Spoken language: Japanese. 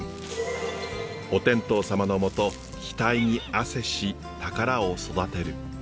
お天道様の下額に汗し宝を育てる。